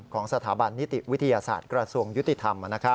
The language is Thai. ของสถาบันนิติวิทยาศาสตร์กระทรวงยุติธรรม